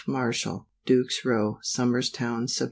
MARSHALL. Duke's row, Somers Town, Sept.